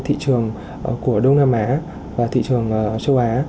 thị trường của đông nam á và thị trường châu á